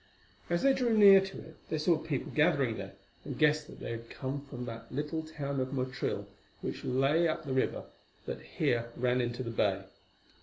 As they drew near to it they saw people gathering there, and guessed that they came from the little town of Motril, which lay up the river that here ran into the bay.